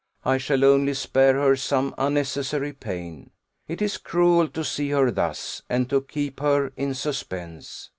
I shall only spare her some unnecessary pain; it is cruel to see her thus, and to keep her in suspense.